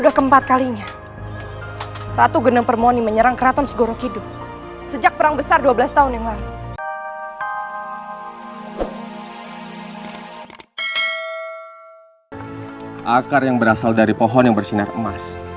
akar yang berasal dari pohon yang bersinar emas